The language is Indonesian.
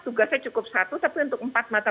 tugasnya cukup satu tapi untuk empat mata